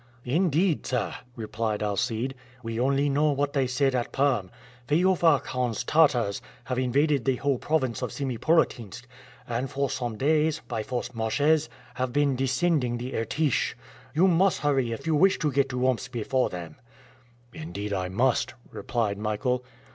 "Indeed, sir," replied Alcide, "we only know what they said at Perm. Feofar Khan's Tartars have invaded the whole province of Semipolatinsk, and for some days, by forced marches, have been descending the Irtish. You must hurry if you wish to get to Omsk before them." "Indeed I must," replied Michael.